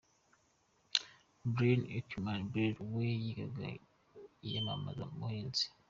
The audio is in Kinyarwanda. Bailee Ackerman Byler we yigaga iyamamaza-buhinzi.